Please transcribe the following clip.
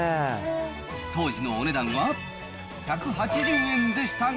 当時のお値段は１８０円でしたが。